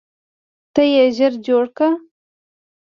ته یې ژر جوړ کړه.